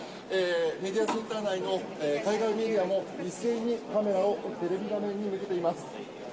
メディアセンター内の海外メディアも一斉にカメラをに向けています。